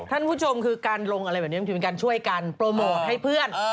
ท่านผู้ชมคือการลงอะไรแบบนี้มันถือเป็นการช่วยกันโปรโมทให้เพื่อน